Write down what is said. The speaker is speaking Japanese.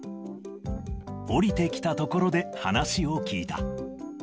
降りてきたところで話を聞いた。